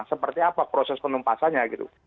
seperti apa proses penumpasannya gitu